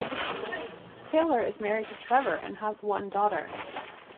Taylor is married to Trevor and has one daughter.